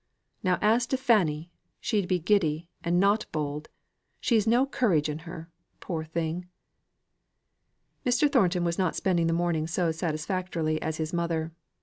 Now as to Fanny, she'd be giddy, and not bold. She's no courage in her, poor thing!" Mr. Thornton was not spending the morning so satisfactorily as his mother.